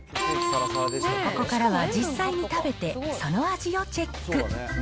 ここからは実際に食べて、その味をチェック。